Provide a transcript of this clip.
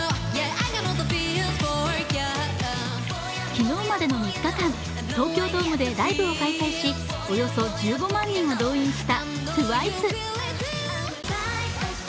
昨日までの３日間東京ドームでライブを開催しおよそ１５万人を動員したＴＷＩＣＥ。